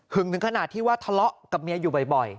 ถึงขนาดที่ว่าทะเลาะกับเมียอยู่บ่อย